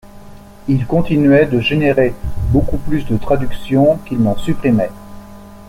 il continuait de générer beaucoup plus de traductions qu’il n’en supprimait.